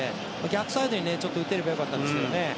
逆サイドに打てれば良かったんですけどね。